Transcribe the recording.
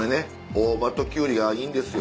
大葉とキュウリがいいんですよ。